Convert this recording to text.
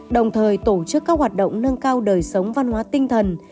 đồng thời tổ chức các hoạt động nâng cao đời sống văn hóa tinh thần